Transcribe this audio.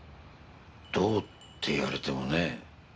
どうって言われてもね。